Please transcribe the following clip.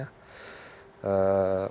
pak siti njak